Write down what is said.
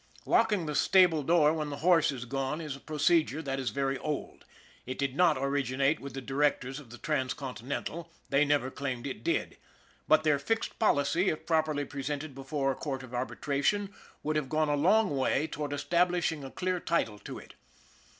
Locking the stable door when the horse is gone is a procedure that is very old. It did not originate with the directors of the Transcontinental they never claimed it did. But their fixed policy, if properly presented before a court of arbitration, would have gone a long way toward establishing a clear title to it.